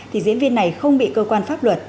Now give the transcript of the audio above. thì diễn viên này không bị cơ quan pháp luật